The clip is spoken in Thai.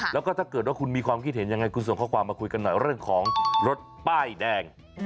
แล้วก็ถ้าเกิดว่าคุณมีความคิดเห็นยังไงคุณส่งข้อความมาคุยกันหน่อยเรื่องของรถป้ายแดง